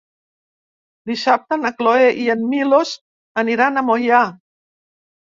Dissabte na Cloè i en Milos aniran a Moià.